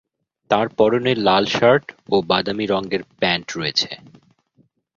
তাঁর পরনে লাল শার্ট ও বাদামি রঙের প্যান্ট রয়েছে।